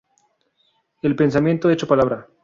El pensamiento hecho palabra".